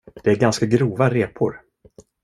Det är ganska grova repor.